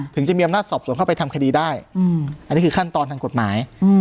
ถึงจะมีอำนาจสอบสวนเข้าไปทำคดีได้อันนี้คือขั้นตอนทางกฎหมาย